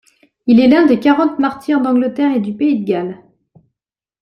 Il est l'un des quarante martyrs d'Angleterre et du pays de Galles.